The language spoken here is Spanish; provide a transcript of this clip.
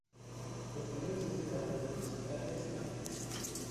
Los primeros dos de cada grupo disputaron las semifinales.